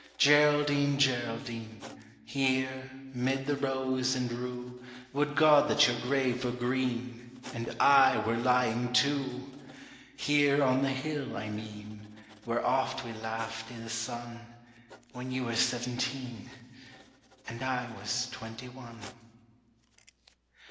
Geraldine, Geraldine, Here, 'mid the rose and rue, Would God that your grave were green. And I were lying too! Here on the hill, I mean, Where oft we laughed i' the sun, When you were seventeen, And I was twenty one.